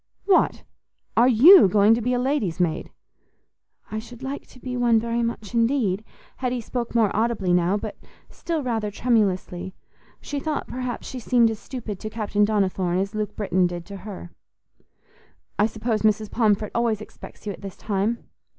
"What! are you going to be a lady's maid?" "I should like to be one very much indeed." Hetty spoke more audibly now, but still rather tremulously; she thought, perhaps she seemed as stupid to Captain Donnithorne as Luke Britton did to her. "I suppose Mrs. Pomfret always expects you at this time?"